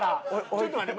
ちょっと待って。